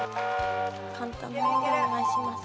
簡単なのでお願いします。